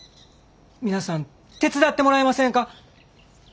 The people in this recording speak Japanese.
皆さん手伝ってもらえませんか？